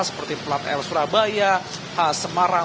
seperti plat l surabaya semarang